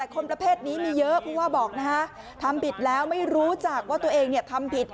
คนประเภทนี้มีเยอะผู้ว่าบอกนะฮะทำผิดแล้วไม่รู้จักว่าตัวเองทำผิด